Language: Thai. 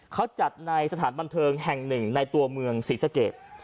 เขาจัดในสถานบันเทิงแห่งหนึ่งในตัวเมืองศรีสะเกด